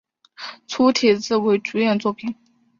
粗体字为主演作品